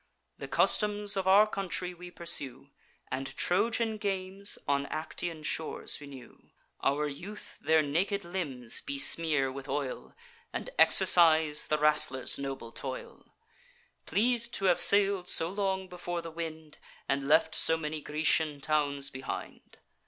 The customs of our country we pursue, And Trojan games on Actian shores renew. Our youth their naked limbs besmear with oil, And exercise the wrastlers' noble toil; Pleas'd to have sail'd so long before the wind, And left so many Grecian towns behind.